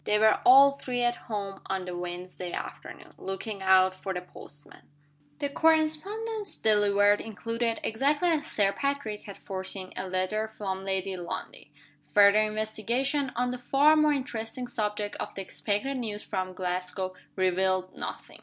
They were all three at home on the Wednesday afternoon, looking out for the postman. The correspondence delivered included (exactly as Sir Patrick had foreseen) a letter from Lady Lundie. Further investigation, on the far more interesting subject of the expected news from Glasgow, revealed nothing.